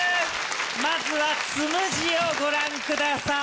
まずはつむじをご覧ください